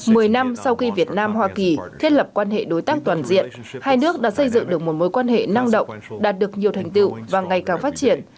mười năm sau khi việt nam hoa kỳ thiết lập quan hệ đối tác toàn diện hai nước đã xây dựng được một mối quan hệ năng động đạt được nhiều thành tựu và ngày càng phát triển